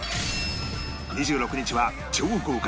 ２６日は超豪華！